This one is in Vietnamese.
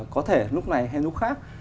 có thể lúc này hay lúc khác